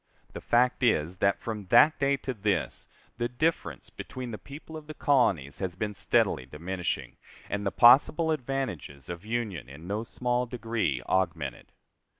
The fact is that, from that day to this, the difference between the people of the colonies has been steadily diminishing, and the possible advantages of union in no small degree augmented.